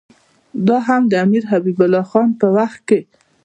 دا هم د امیر حبیب الله خان په وخت کې.